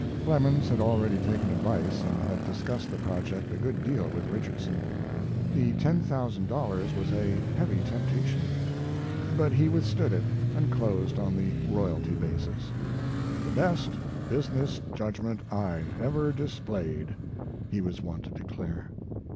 Clemens had already taken advice and had discussed the project a good deal with Richardson. The ten thousand dollars was a heavy temptation, but he withstood it and closed on the royalty basis "the best business judgment I ever displayed," he was wont to declare.